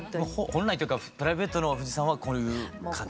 本来っていうかプライベートの藤さんはこういう感じ。